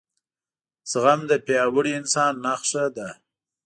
زغم دپیاوړي انسان نښه ده